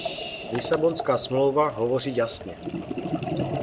Lisabonská smlouva hovoří jasně.